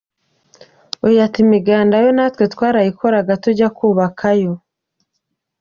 Uyu ati “Imiganda yo natwe twarayikoraga tujya kubaka yo.